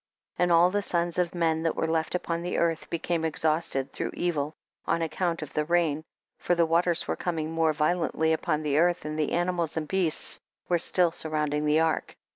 16. And all the sons of men that were left upon the earth, became ex hausted through evil on account of the rain, for the waters were coming more violently upon the earth, and the animals and beasts were still sur rounding the ark.